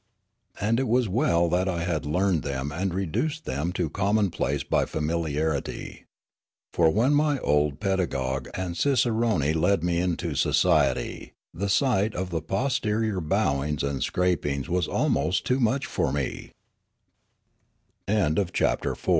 And it was well that I had learned them and reduced them to commonplace by familiarity. For when my old pedagogue and cicerone led me into society, the sight of the posterior bowings and scrapings